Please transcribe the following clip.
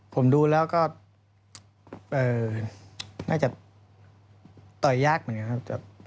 ผมดูแล้วก็น่าจะต่อยยากเหมือนกันครับ